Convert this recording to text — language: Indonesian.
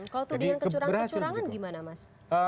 kalau itu dengan kecurangan kecurangan gimana mas